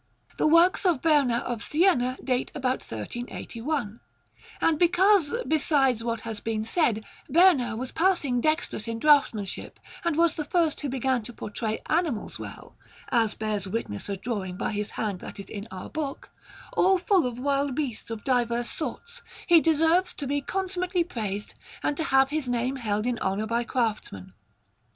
The works of Berna of Siena date about 1381. And because, besides what has been said, Berna was passing dexterous in draughtsmanship and was the first who began to portray animals well, as bears witness a drawing by his hand that is in our book, all full of wild beasts of diverse sorts, he deserves to be consummately praised and to have his name held in honour by craftsmen.